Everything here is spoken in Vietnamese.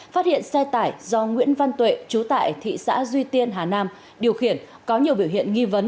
phát hiện xe tải do nguyễn văn tuệ chú tại thị xã duy tiên hà nam điều khiển có nhiều biểu hiện nghi vấn